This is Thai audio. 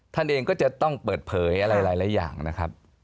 ท่านเองก็จะต้องเปิดเผยอะไรหลายอย่างนะครับ